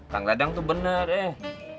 kang dadang itu benar eh